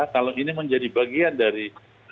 kalau ini menjadi bagian dari